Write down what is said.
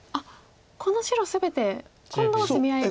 この白全て今度は攻め合い。